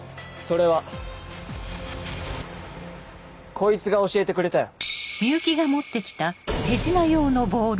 それは。こいつが教えてくれたよ。